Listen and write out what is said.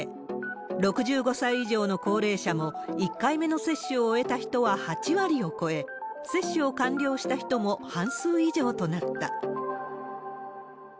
６５歳以上の高齢者も、１回目の接種を終えた人は８割を超え、接種を完了した人も半数以上となった。